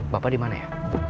bapak dimana ya